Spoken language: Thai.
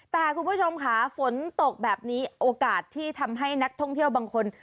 แต่คุณผู้ชมค่ะฝนตกแบบนี้โอกาสที่ทำให้นักท่องเที่ยวบางคน